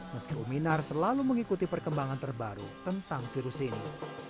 meski uminar selalu mengikuti perkembangan terbaru tentang virus ini